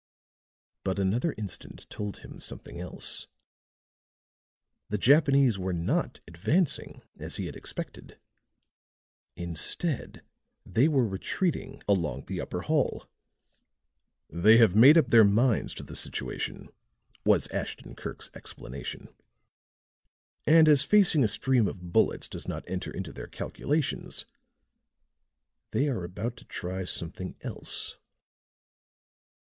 But another instant told him something else. The Japanese were not advancing as he had expected; instead they were retreating along the upper hall. "They have made up their minds to the situation," was Ashton Kirk's explanation. "And as facing a stream of bullets does not enter into their calculations, they are about to try something else."